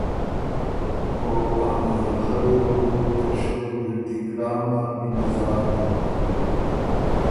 او ا نظر خلّی وه بو ته شور ګړدی ګرام نر انتظار دوک۔